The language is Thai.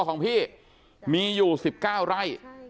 ของพี่มีอยู่๑๙ไร่